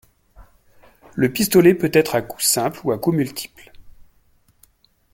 Le pistolet peut être à coup simple ou à coups multiples.